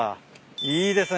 いいですね。